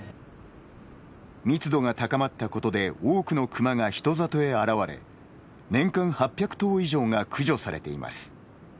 密度が高まったことで多くのクマが人里へ現れ年間８００頭以上が駆除されています。